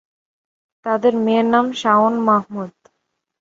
তাদের মেয়ের নাম শাওন মাহমুদ।